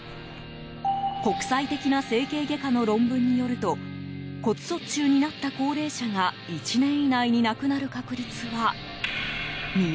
国際的な整形外科の論文によると骨卒中になった高齢者が１年以内に亡くなる確率は２０％。